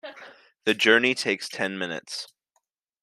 The journey takes ten minutes.